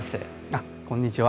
あっこんにちは。